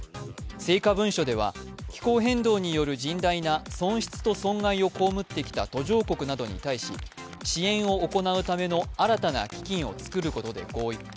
成果文書では気候変動による甚大な損失と損害を被ってきた途上国などに対し、支援を行うための新たな基金を作ることで合意。